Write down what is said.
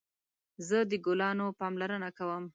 زه د ګلانو پاملرنه کوم